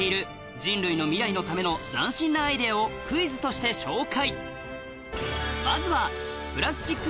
人類の未来のための斬新なアイデアをクイズとして紹介